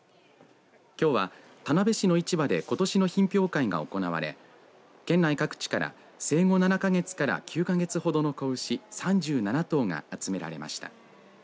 きょうは田辺市の市場でことしの品評会が行われ県内各地から生後７か月から９か月ほどの子牛３７頭が集められました。